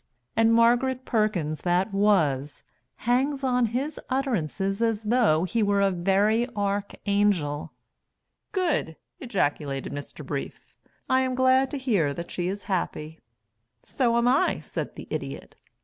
And Margaret Perkins that was hangs on his utterances as though he were a very archangel." "Good," ejaculated Mr. Brief. "I am glad to hear that she is happy." "So am I," said the Idiot.